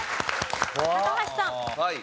高橋さん。